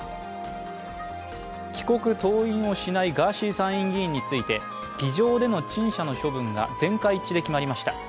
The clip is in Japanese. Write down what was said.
帰国当院をしないガーシー参院議員について議場での陳謝の処分が全会一致で決まりました。